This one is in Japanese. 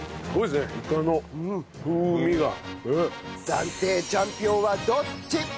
暫定チャンピオンはどっち！？